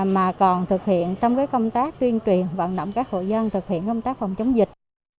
mà còn thực hiện trong công tác tuyên truyền vận động các hộ dân thực hiện công tác phòng chống dịch